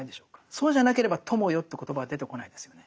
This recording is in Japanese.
そうじゃなければ「友よ」という言葉は出てこないですよね。